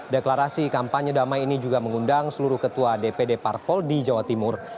deklarasi kampanye damai ini juga mengundang seluruh ketua dpd parpol di jawa timur